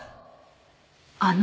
あの。